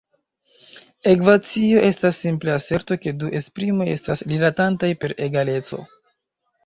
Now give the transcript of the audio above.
Ekvacio estas simple aserto ke du esprimoj estas rilatantaj per egaleco.